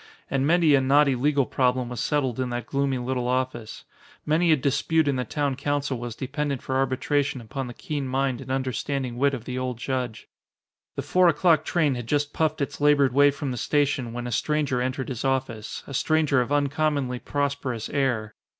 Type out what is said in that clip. And many a knotty legal problem was settled in that gloomy little office. Many a dispute in the town council was dependent for arbitration upon the keen mind and understanding wit of the old judge. The four o'clock train had just puffed its labored way from the station when a stranger entered his office, a stranger of uncommonly prosperous air.